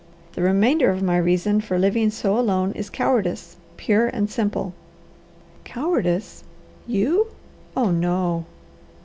The remainder of my reason for living so alone is cowardice, pure and simple." "Cowardice? You! Oh no!"